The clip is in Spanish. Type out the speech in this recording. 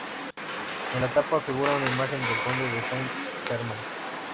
En la tapa, figura una imagen del Conde de Saint Germain.